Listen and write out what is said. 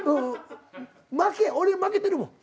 俺負けてるもん。